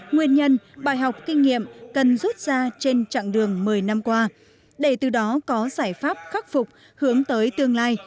nguyên nhân bài học kinh nghiệm cần rút ra trên chặng đường một mươi năm qua để từ đó có giải pháp khắc phục hướng tới tương lai